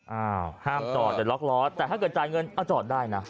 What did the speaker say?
อ้าวห้ามจอดเดี๋ยวล็อกล้อแต่ถ้าเกิดจ่ายเงินเอาจอดได้นะ